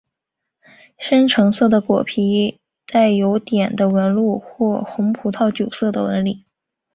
深橙色的果皮有带点的纹路或红葡萄酒色的纹理。